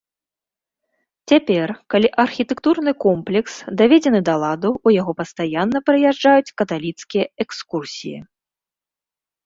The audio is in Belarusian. Цяпер, калі архітэктурны комплекс даведзены да ладу, у яго пастаянна прыязджаюць каталіцкія экскурсіі.